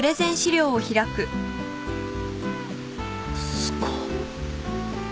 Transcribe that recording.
すごっ。